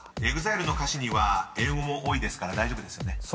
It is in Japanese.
ＥＸＩＬＥの歌詞には英語も多いですから大丈夫ですよね］